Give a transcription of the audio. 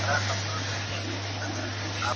کاظم شیدا ډېرښه ویلي دي